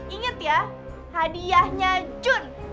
ingat ya hadiahnya jun